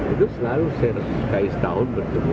itu selalu saya resuskai setahun bertemu